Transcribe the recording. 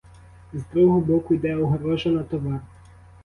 З другого боку йде огорожа на товар.